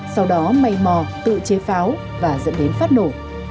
sau đó may mò tự chế pháo và dẫn đến phát nổ